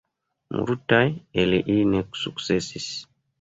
Multaj el ili ne sukcesis.